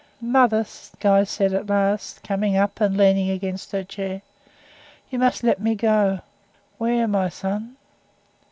"Mother," Guy said at last, coming up and leaning against her chair, "you must let me go." "Where, my son?"